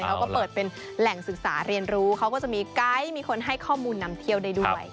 เขาก็เปิดเป็นแหล่งศึกษาเรียนรู้เขาก็จะมีไกด์มีคนให้ข้อมูลนำเที่ยวได้ด้วย